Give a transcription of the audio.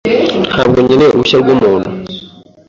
Ntabwo nkeneye uruhushya rw'umuntu .